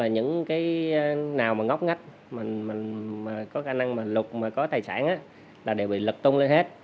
những cái nào mà ngóc ngách mà có khả năng mà lục mà có tài sản á là đều bị lập tung lên hết